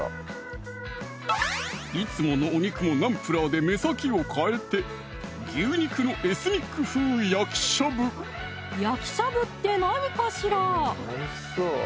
いつものお肉をナンプラーで目先を変えて焼きしゃぶって何かしら？